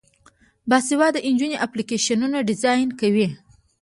باسواده نجونې اپلیکیشنونه ډیزاین کوي.